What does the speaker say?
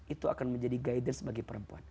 itu akan menjadi guidance bagi perempuan